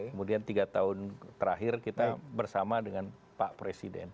kemudian tiga tahun terakhir kita bersama dengan pak presiden